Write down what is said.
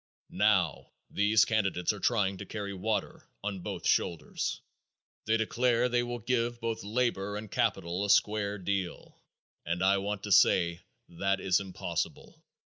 Now, these candidates are trying to carry water on both shoulders. They declare they will give both labor and capital a square deal, and I want to say that is impossible.